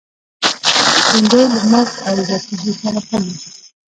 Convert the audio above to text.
بېنډۍ له مرچ او زردچوبه سره ښه ده